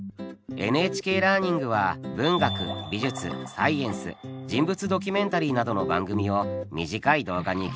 「ＮＨＫラーニング」は文学美術サイエンス人物ドキュメンタリーなどの番組を短い動画にぎゅぎゅっと凝縮。